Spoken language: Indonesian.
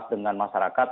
rutan dengan masyarakat